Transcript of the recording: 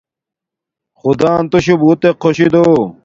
خدان توشو بوتک خوشی دو